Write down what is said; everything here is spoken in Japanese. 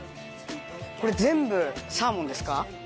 これ全部サーモンですか？